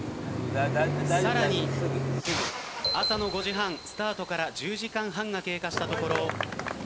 更に朝の５時半、スタートから１０時間半が経過したところ。